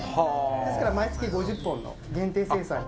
ですから、毎月５０本の限定生産に。